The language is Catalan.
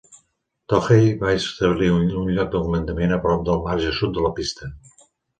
Toohey va establir un lloc de comandament a prop del marge sud de la pista.